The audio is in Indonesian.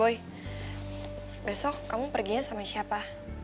boy besok kamu perginya sama siapa